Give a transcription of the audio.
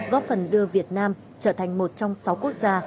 góp phần đưa việt nam trở thành một trong sáu quốc gia